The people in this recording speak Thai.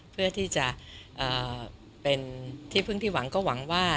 เพื่อที่จะเป็นที่พึ่งที่หวังก็หวังว่า